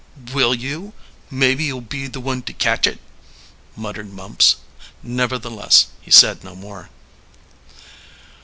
"Will you? Maybe you'll be the one to catch it," muttered Mumps. Nevertheless, he said no more.